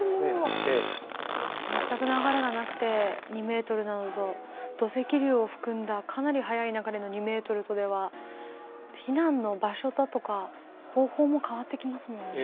全く流れがなくて２ｍなのと土石流を含んだかなり速い流れの２ｍとでは避難の場所だとか方法も変わってきますもんね。